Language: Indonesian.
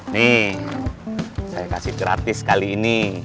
nih saya kasih gratis kali ini